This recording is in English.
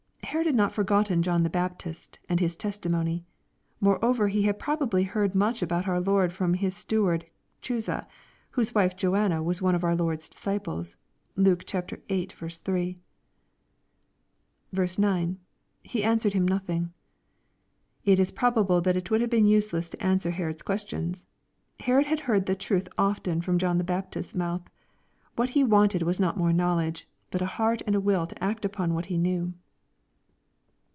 Herod had not forgotten John the Baptist and his testimony. Moreover he had probably heard much about our Lord from his steward Cliuza, whose wife Joanna was one of our Lord's disciples. (Luke viii. 3.) I — [He answered him nothing.] It is probable that it would have been useless to answer Herod's questions. Herod had heard tlie truth often from John the Baptist's mouth. What he wanted was nut more knowledge, but a heart and a will to act upon what he knew.